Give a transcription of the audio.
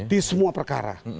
di semua perkara